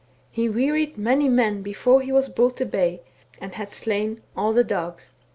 He wearied many men before he was brought to bay, and . had slain all the dogs.